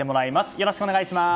よろしくお願いします。